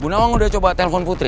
bu nawang udah coba telpon putri